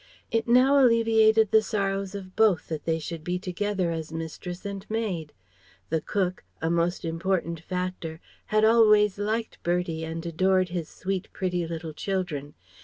It now alleviated the sorrows of both that they should be together as mistress and maid. The cook a most important factor had always liked Bertie and adored his "sweet, pretty little children."